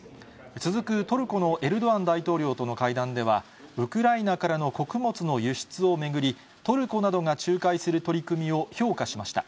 続くトルコのエルドアン大統領との会談では、ウクライナからの穀物の輸出を巡り、トルコなどが仲介する取り組みを評価しました。